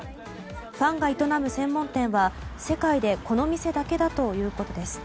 ファンが営む専門店は、世界でこの店だけだということです。